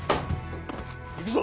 行くぞ！